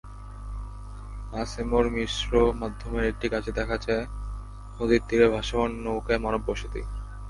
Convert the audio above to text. আসেমর মিশ্র মাধ্যমের একটি কাজে দেখা যায়, নদীর তীরে ভাসমান নৌকায় মানব বসতি।